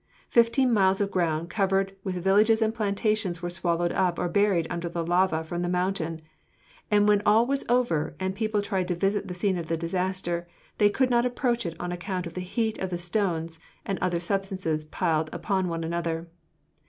Fifteen miles of ground covered with villages and plantations were swallowed up or buried under the lava from the mountain; and when all was over and people tried to visit the scene of the disaster, they could not approach it on account of the heat of the stones and other substances piled upon one another.